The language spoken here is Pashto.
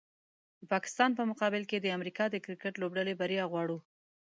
د پاکستان په مقابل کې د امریکا د کرکټ لوبډلې بریا غواړو